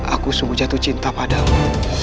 aku sungguh jatuh cinta padamu